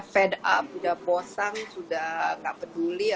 jadi memang mungkin sampai